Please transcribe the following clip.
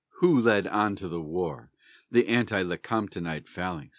Who led on to the war the anti Lecomptonite phalanx?